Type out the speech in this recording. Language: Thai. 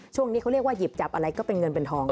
ช่วงนี้เขาเรียกว่าหยิบจับอะไรก็เป็นเงินเป็นทอง